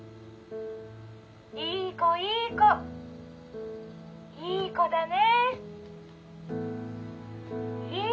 いい子いい子いい子だね！」。